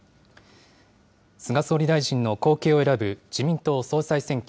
菅総理大臣の後継を選ぶ自民党総裁選挙。